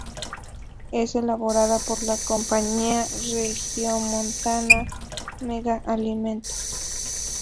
Es elaborada por la compañía regiomontana "Mega Alimentos".